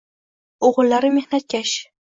O‘g‘illari mehnatkash